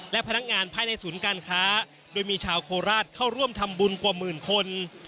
และพนักงานภายในศูนย์การค้าโดยมีชาวโคราชเข้าร่วมทำบุญกว่าหมื่นคน